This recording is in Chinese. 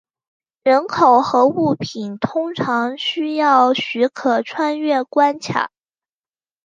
人口和物品通常需要许可穿越边界关卡。